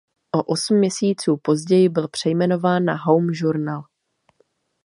O osm měsíců později byl přejmenován na "Home journal".